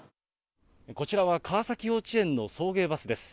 こちらは川崎幼稚園の送迎バスです。